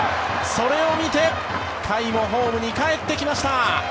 それを見て甲斐もホームにかえってきました。